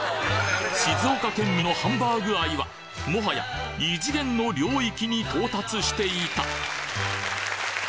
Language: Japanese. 静岡県民のハンバーグ愛はもはや異次元の領域に到達していた！